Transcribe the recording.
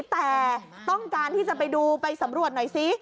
แต่ต้องการที่จะไปดูไปสำรวจหน่อยซิ